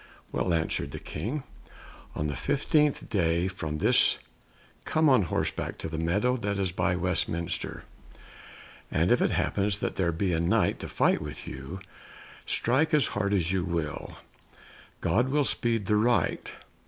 "Well," answered the King, "on the fifteenth day from this come on horseback to the meadow that is by Westminster. And if it happens that there be a Knight to fight with you, strike as hard as you will, God will speed the right.